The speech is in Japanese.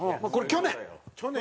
去年。